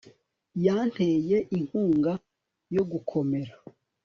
yanteye inkunga yo gukomera